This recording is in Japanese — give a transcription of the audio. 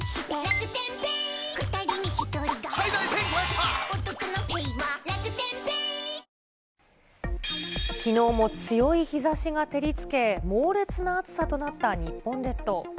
日本だけでなく、きのうも強い日ざしが照りつけ、猛烈な暑さとなった日本列島。